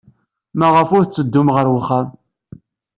Maɣef ur tetteddum ɣer wexxam?